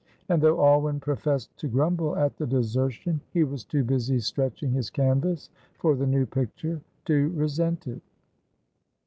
And though Alwyn professed to grumble at the desertion, he was too busy stretching his canvas for the new picture to resent it.